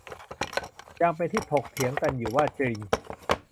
ยังเป็นที่ถกเถียงกันอยู่ว่าจริง